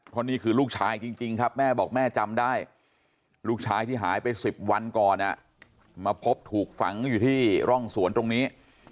เพราะนี่คือลูกชายจริงครับแม่บอกแม่จำได้ลูกชายที่หายไป๑๐วันก่อนมาพบถูกฝังอยู่ที่ร่องสวนตรงนี้